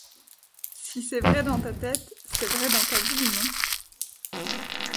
Si c’est vrai dans ta tête, c’est vrai dans ta vie, non ?